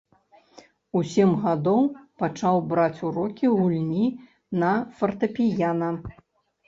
У сем гадоў пачаў браць урокі гульні на фартэпіяна.